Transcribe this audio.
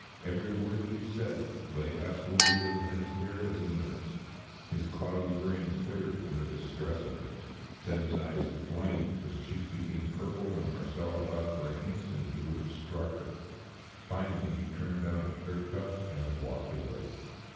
Every word she said lay absolutely within her sphere as a nurse. His cloudy brain cleared under the stress of it. Then his eyes flamed, his cheeks became purple, and Marcella thought for an instant he would have struck her. Finally he turned down his shirt cuffs and walked away.